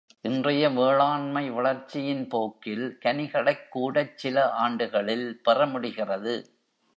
இன்றைய வேளாண்மை வளர்ச்சியின் போக்கில் கனிகளைக் கூடச் சில ஆண்டுகளில் பெற முடிகிறது.